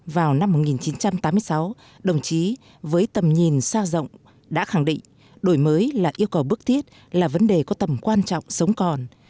vào năm một nghìn chín trăm tám mươi sáu đồng chí với tầm nhìn xa rộng đã khẳng định đổi mới là yêu cầu bức thiết là vấn đề có tầm quan trọng sống còn